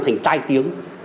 thành tai tiếng